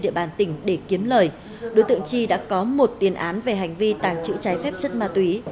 địa bàn tỉnh để kiếm lời đối tượng chi đã có một tiền án về hành vi tàng trữ trái phép chất ma túy